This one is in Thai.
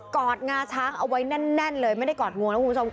อดงาช้างเอาไว้แน่นเลยไม่ได้กอดงวงนะคุณผู้ชม